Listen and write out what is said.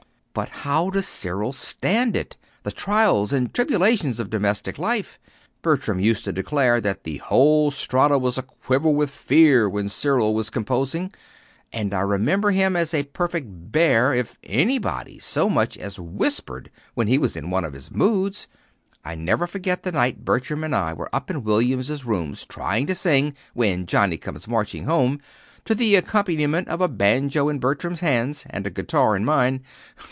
"But how does Cyril stand it the trials and tribulations of domestic life? Bertram used to declare that the whole Strata was aquiver with fear when Cyril was composing, and I remember him as a perfect bear if anybody so much as whispered when he was in one of his moods. I never forgot the night Bertram and I were up in William's room trying to sing 'When Johnnie comes marching home,' to the accompaniment of a banjo in Bertram's hands, and a guitar in mine.